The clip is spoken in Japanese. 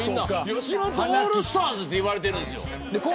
吉本オールスターズって言われてるんです。